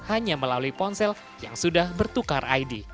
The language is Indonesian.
hanya melalui ponsel yang sudah bertukar id